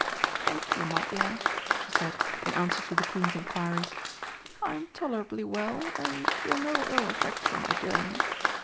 "Thank you, my dear," she said, in answer to the Queen's inquiries, "I am tolerably well, and feel no ill effects from my journey.